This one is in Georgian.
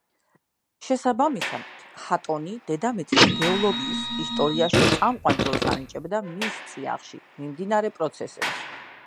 შესაბამისად ჰატონი დედამიწის გეოლოგიის ისტორიაში წამყვან როლს ანიჭებდა მის წიაღში მიმდინარე პროცესებს.